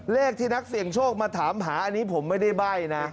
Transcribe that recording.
เลขที่นักเสียงโชคมาถามผมไม่ได้ใบ้นะ